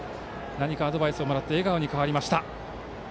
何かアドバイスをもらって笑顔に変わりました。